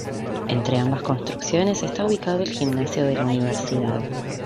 Entre ambas construcciones está ubicado el gimnasio de la Universidad.